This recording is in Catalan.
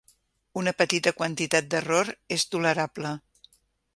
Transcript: Una petita quantitat d'error és tolerable.